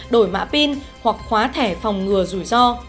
đổi mã pin hoặc khóa thẻ phòng ngừa rủi ro